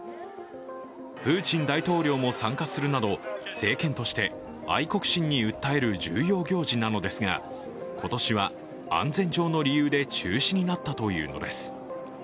プーチン大統領も参加するなど政権として愛国心に訴える重要行事なのですが今年は安全上の理由で中止になったというのです。